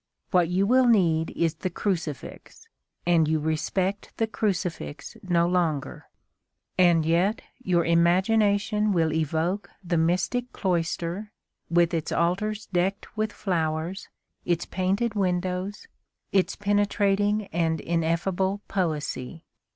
What you will need is the crucifix, and you respect the crucifix no longer. And yet your imagination will evoke the mystic cloister, with its altars decked with flowers, its painted windows, its penetrating and ineffable poesy.